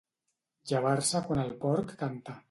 Llevar-se quan el porc canta.